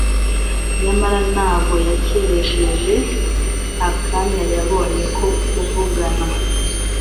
nyamara ntabwo yakerensheje akanya yabonye ko kuvugana